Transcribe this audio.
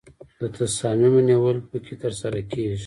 د تصامیمو نیول پکې ترسره کیږي.